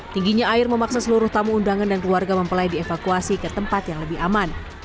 tingginya air memaksa seluruh tamu undangan dan keluarga mempelai dievakuasi ke tempat yang lebih aman